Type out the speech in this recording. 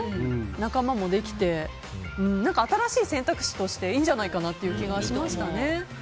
仲間もできて新しい選択肢としていいんじゃないかなという気がしましたね。